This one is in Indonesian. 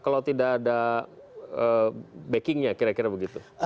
kalau tidak ada backingnya kira kira begitu